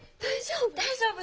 大丈夫？